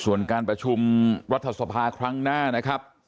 ส่วนการประชุมวัตถสภาคครั้งหน้า